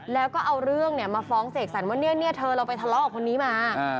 แล้วก็เอาเรื่องมาฟ้องเสกสรรว่าเนี่ยเธอเราไปทะเลาะกับคนนี้มา